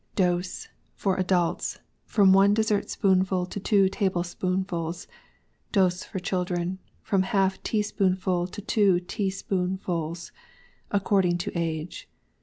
DOSE.ŌĆöFor Adults, from one dessert spoonful to two table spoonfuls. Dose, for Children, from half a teaspoonful to two tea spoonfuls, according to age.